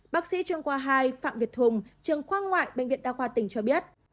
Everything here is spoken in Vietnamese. bác sĩ chuyên khoa hai phạm việt hùng trường khoa ngoại bệnh viện đa khoa tỉnh cho biết